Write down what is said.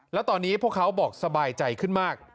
แล้วตอนนี้พวกเขาบอกสบายใจขึ้นมาก